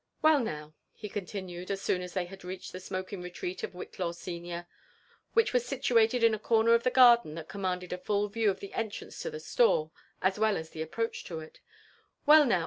^ Well now," he continued, as soon as they had reached the smoking retreatof Whillaw senior, which was situated in a corner of the garden that commanded a full view of the entrance to the atore, as well as the approach to it, ^*' Well now.